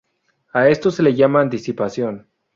A esto se le llama anticipación.